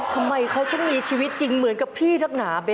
ทำไมเขาถึงมีชีวิตจริงเหมือนกับพี่นักหนาเบ๊